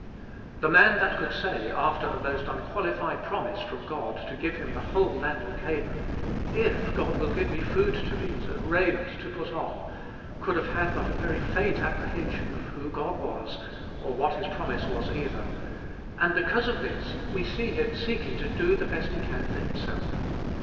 The man that could say, after a most unqualified promise from God to give him the whole land of Canaan, "IF God will give me food to eat and raiment to put on," could have had but a very faint apprehension of who God was, or what his promise was either; and because of this, we see him seeking to do the best he can for himself.